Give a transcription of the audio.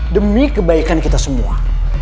demi kebaikan kita semua